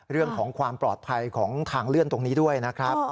เรื่องของความปลอดภัยของทางเลื่อนตรงนี้ด้วยนะครับ